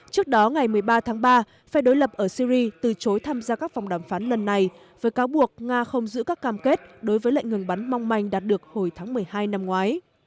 trước đó ngày một mươi ba tháng ba phe đối lập ở syri từ chối tham gia các vòng đàm phán lần này với cáo buộc nga không giữ các cam kết đối với lệnh ngừng bắn mong manh đạt được hồi tháng một mươi hai năm ngoái